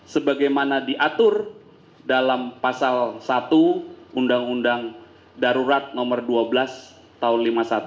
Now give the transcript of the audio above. sebagaimana diatur dalam pasal satu undang undang darurat nomor dua belas tahun seribu sembilan ratus lima puluh satu